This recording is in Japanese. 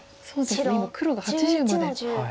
今黒が８０まで。